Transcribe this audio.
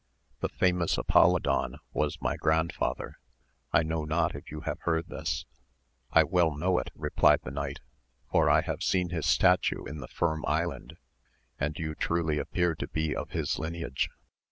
The famous Apolidon was my grandfather, I know not if you have heard this. I well know it, replied the knight, for I have seen his statue in the Firm Island, and you truly appear to be of his lineage.